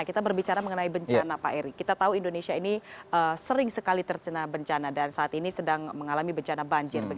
kita berbicara mengenai bencana pak eri kita tahu indonesia ini sering sekali terkena bencana dan saat ini sedang mengalami bencana banjir